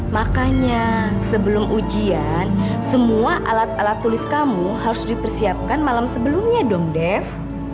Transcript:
makanya sebelum ujian semua alat alat tulis kamu harus dipersiapkan malam sebelumnya dong def